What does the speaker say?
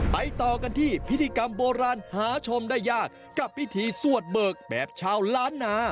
ต่อกันที่พิธีกรรมโบราณหาชมได้ยากกับพิธีสวดเบิกแบบชาวล้านนา